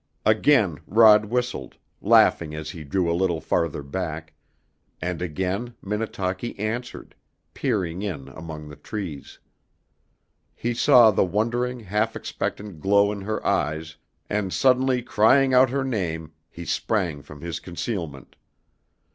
Again Rod whistled, laughing as he drew a little farther back, and again Minnetaki answered, peering in among the trees. He saw the wondering, half expectant glow in her eyes, and suddenly crying out her name he sprang from his concealment.